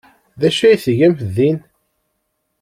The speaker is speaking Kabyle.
D acu ay tgam din?